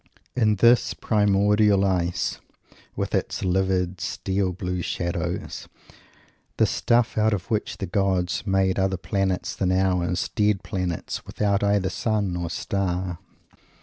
Is this primordial ice, with its livid steel blue shadows, the stuff out of which the gods make other planets than ours dead planets, without either sun or star?